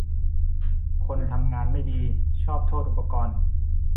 คนทำงานไม่ดีชอบโทษอุปกรณ์